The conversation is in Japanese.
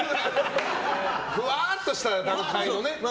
ふわっとした段階のね。